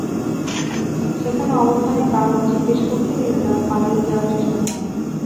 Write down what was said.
সেখানে অবস্থানের কারণ জিজ্ঞেস করতে গেলে তাঁরা পালিয়ে যাওয়ার চেষ্টা করেন।